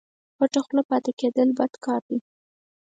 پټه خوله پاته کېدل بد کار دئ